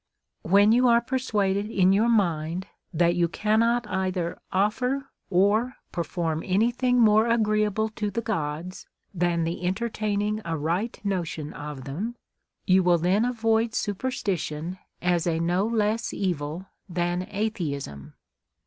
" When you are persuaded in your mind that you cannot either offer or perform any thing more agreeable to the gods than the enter taining a right notion of them, you will then avoid superstition as a no less evil than atheism."